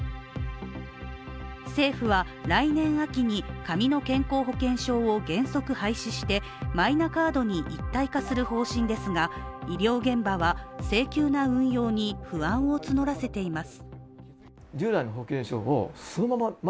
政府は来年秋に紙の健康保険証を原則廃止してマイナカードに一体化する方針ですが医療現場は性急な運用に不安を募らせています。